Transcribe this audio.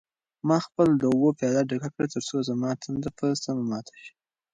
ما خپله د اوبو پیاله ډکه کړه ترڅو زما تنده په سمه ماته شي.